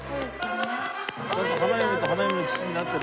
ちゃんと花嫁と花嫁の父になってる？